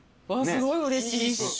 すごいうれしい。